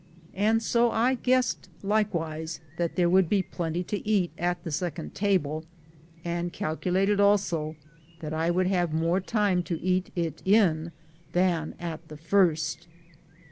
170 THE GOLD HUNTERS and so I guessed likewise that there would be plenty to eat at the second table, and "cal'lated" also that I would have more time to eat it in than at the first.